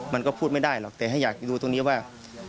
มันก็พูดไม่ได้หรอกแต่ถ้าอยากจะดูตรงนี้ว่า